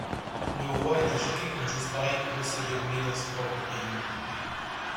Le roi était choqué qu’une chose pareille pourrait se dérouler dans son propre pays.